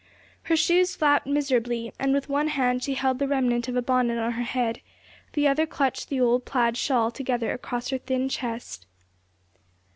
Her shoes flapped miserably, and with one hand she held the remnant of a bonnet on her head, the other clutched the old plaid shawl together across her thin chest.